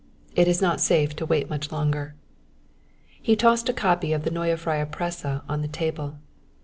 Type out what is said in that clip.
"It is not safe to wait much longer." He tossed a copy of the Neue Freie Presse on the table.